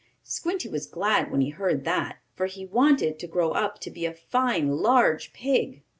Squinty was glad when he heard that, for he wanted to grow up to be a fine, large pig.